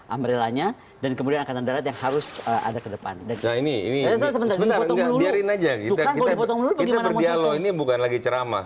amrilannya dan kemudian akan terhadap yang harus ada ke depan dari ini biarin aja bukan lagi cerama